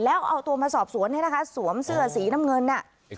แล้วเอาตัวมาสอบสวนเนี่ยนะคะสวมเสื้อสีน้ำเงินน่ะ